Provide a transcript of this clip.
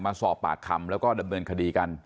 มาสอบปากคำแล้วก็ดำเนินคดีกัน